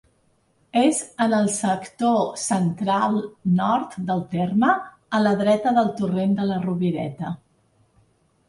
És en el sector central-nord del terme, a la dreta del torrent de la Rovireta.